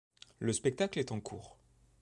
le spectacle est en cours